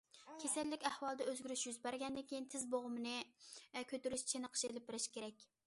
كېسەللىك ئەھۋالىدا ئۆزگىرىش يۈز بەرگەندىن كېيىن، تىز بوغۇمىنى كۆتۈرۈش چېنىقىشى ئېلىپ بېرىش كېرەك.